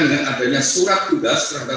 dengan adanya surat tugas terhadap